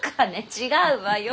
違うわよ！